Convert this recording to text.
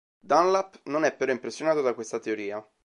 Dunlap non è però impressionato da questa teoria.